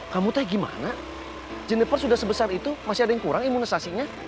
kamu tahu gimana jennifer sudah sebesar itu masih ada yang kurang imunisasinya